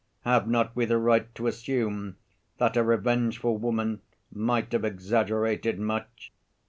Have not we the right to assume that a revengeful woman might have exaggerated much?